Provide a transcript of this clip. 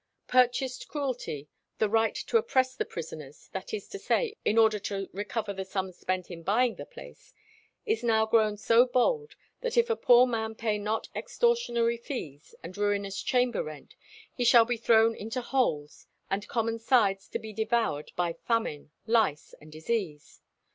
"Purchased cruelty," the right to oppress the prisoners, that is to say, in order to recover the sums spent in buying the place, "is now grown so bold that if a poor man pay not extortionary fees and ruinous chamber rent, he shall be thrown into holes and common sides to be devoured by famine, lice, and disease.